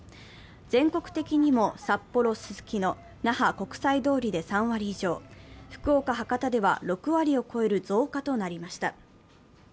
全国的にも札幌・すすきの、那覇・国際通りで３割以上福岡・博多では６割を超える増加となりました。